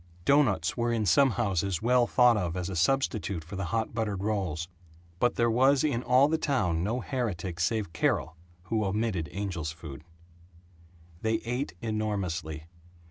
Doughnuts were in some houses well thought of as a substitute for the hot buttered rolls. But there was in all the town no heretic save Carol who omitted angel's food. They ate enormously.